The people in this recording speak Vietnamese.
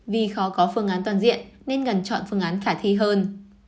vì khó có phương án toàn diện nên cần chọn phương án khả thi hơn